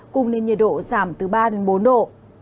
cùng nền nhiệt độ giảm từ ba bốn độ